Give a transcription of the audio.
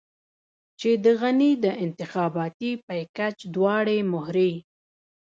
چې د غني د انتخاباتي پېکج دواړې مهرې.